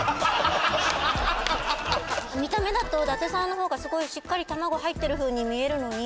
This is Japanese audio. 見た目だと伊達さんの方がすごいしっかり卵入ってるふうに見えるのに。